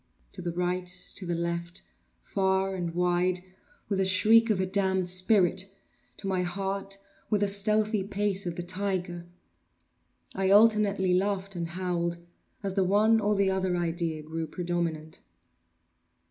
To the right—to the left—far and wide—with the shriek of a damned spirit! to my heart with the stealthy pace of the tiger! I alternately laughed and howled as the one or the other idea grew predominant.